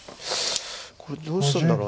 これどうするんだろう。